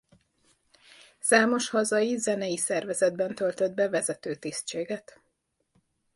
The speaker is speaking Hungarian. Számos hazai zenei szervezetben töltött be vezető tisztséget.